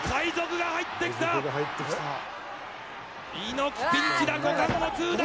猪木ピンチだ！